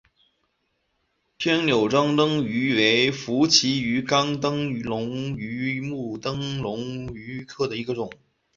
天纽珍灯鱼为辐鳍鱼纲灯笼鱼目灯笼鱼科的其中一种。